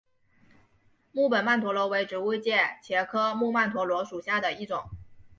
木本曼陀罗为植物界茄科木曼陀罗属下的一种。